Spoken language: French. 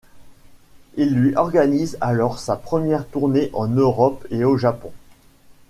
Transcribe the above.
Il lui organise alors sa première tournée en Europe et au Japon.